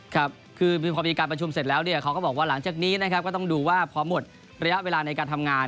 ครับคือพอมีการประชุมเสร็จแล้วเนี่ยเขาก็บอกว่าหลังจากนี้นะครับก็ต้องดูว่าพอหมดระยะเวลาในการทำงาน